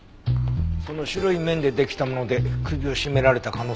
その白い綿でできたもので首を絞められた可能性が高いね。